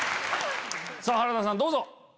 原田さんどうぞ。